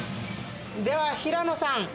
では平野さん。